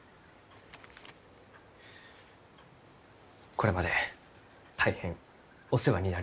これまで大変お世話になりました。